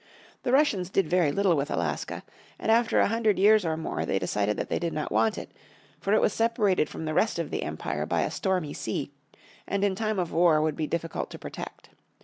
The Russians did very little with Alaska, and after a hundred years or more they decided that they did not want it, for it was separated from the rest of the Empire by a stormy sea, and in time of war would be difficult to protect.